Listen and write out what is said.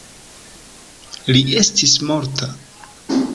Li estis morta.